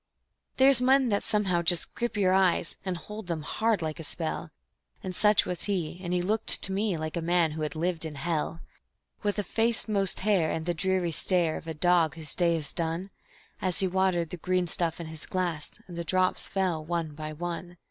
There's men that somehow just grip your eyes, and hold them hard like a spell; And such was he, and he looked to me like a man who had lived in hell; With a face most hair, and the dreary stare of a dog whose day is done, As he watered the green stuff in his glass, and the drops fell one by one.